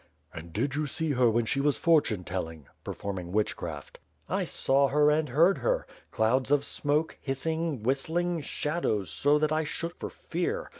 " "And did you see her when she was fortune telling?" (per forming witchcraft). "I saw her and heard her. Clouds of smoke, hissing, whist ling, shadows, so that I shook for fear.